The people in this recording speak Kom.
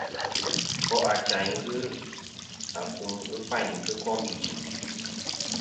Nkò' achayn ghɨ akum ghɨ fayn kɨ kom ijɨm.